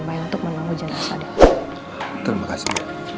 bu anden yang mana bu